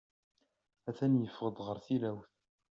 A-t-an yeffeɣ-d ɣer tilawt.